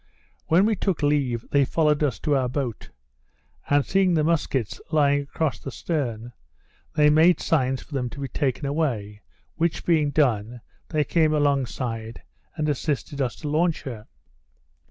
When we took leave they followed us to our boat; and, seeing the musquets lying across the stern, they made signs for them to be taken away, which being done, they came alongside, and assisted us to launch her.